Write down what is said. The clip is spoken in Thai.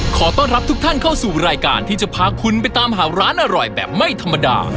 ขอต้อนรับทุกท่านเข้าสู่รายการที่จะพาคุณไปตามหาร้านอร่อยแบบไม่ธรรมดา